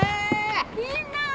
みんな！